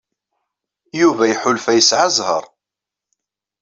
Yuba iḥulfa yesɛa zzheṛ.